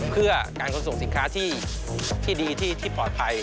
เพื่อการขนส่งสินค้าที่ดีที่ปลอดภัย